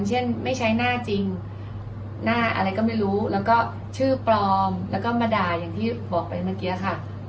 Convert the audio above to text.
เช่นไม่ใช้หน้าจริงหน้าอะไรก็ไม่รู้แล้วก็ชื่อปลอมแล้วก็มาด่าอย่างที่บอกไปเมื่อกี้ค่ะ